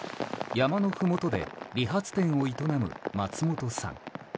山のふもとで理髪店を営む松本さん。